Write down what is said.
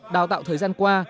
đào tạo thời gian qua